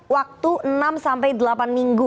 waktu enam sampai delapan minggu